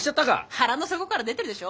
腹の底から出てるでしょ。